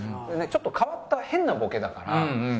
ちょっと変わった変なボケだから。